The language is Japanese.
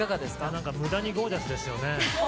なんか、むだにゴージャスですよね。